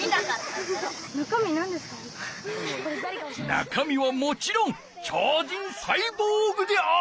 中身はもちろん超人サイボーグである！